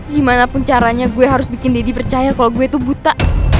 gimanapun caranya gue harus bikin deddy percaya kalo gue tuh buta